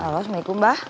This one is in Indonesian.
halo assalamu'alaikum mbah